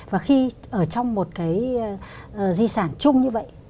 và khi ở trong một cái di sản chung như vậy